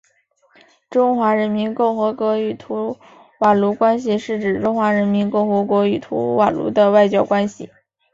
中华人民共和国与图瓦卢关系是指中华人民共和国与图瓦卢的外交关系。